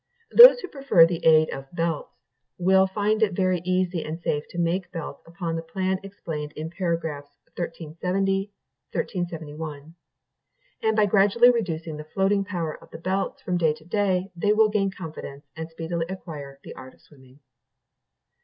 Those who prefer the Aid of Belts will find it very easy and safe to make belts upon the plan explained in pars. 1370, 1371; and by gradually reducing the floating power of the belts from day to day, they will gain confidence, and speedily acquire the art of swimming.